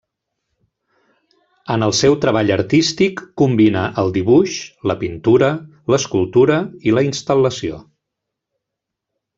En el seu treball artístic combina el dibuix, la pintura, l'escultura i la instal·lació.